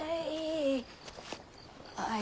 はい。